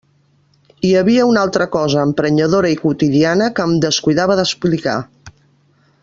Hi havia una altra cosa emprenyadora i quotidiana que em descuidava d'explicar.